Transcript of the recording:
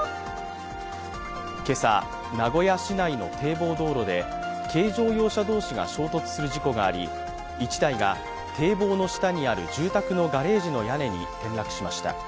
今朝、名古屋市内の堤防道路で、軽乗用車同士が衝突する事故があり、１台が堤防の下にある住宅のガレージの屋根に転落しました。